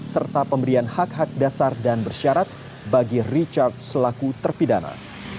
serta pemberian hak hak dasar dan bersyarat bagi richard selaku terpidana